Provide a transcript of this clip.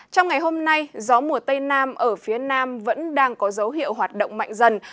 trong ngày hôm nay gió mùa tây nam ở phía nam vẫn đang có dấu hiệu hoạt động mạnh dần